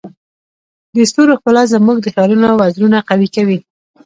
د ستورو ښکلا زموږ د خیالونو وزرونه قوي کوي.